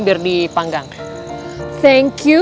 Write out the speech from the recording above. biar dipanggang thank you